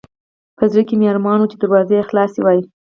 په زړه کې مې ارمان و چې دروازه یې خلاصه وای.